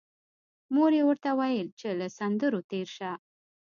مور یې ورته ویل چې له سندرو تېر شه